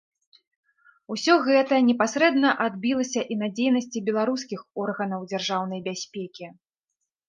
Усе гэта непасрэдна адбілася і на дзейнасці беларускіх органаў дзяржаўнай бяспекі.